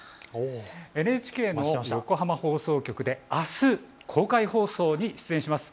ＮＨＫの横浜放送局であす公開放送に出演します